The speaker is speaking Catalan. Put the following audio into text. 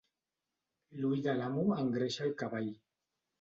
L'ull de l'amo engreixa el cavall